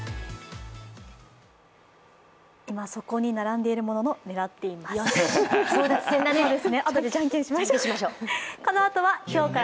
今そこに並んでいるものを狙っています。